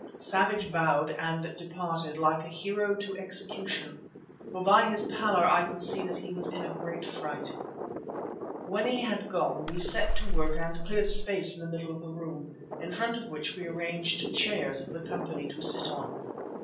Savage bowed and departed, like a hero to execution, for by his pallor I could see that he was in a great fright. When he had gone we set to work and cleared a space in the middle of the room, in front of which we arranged chairs for the company to sit on.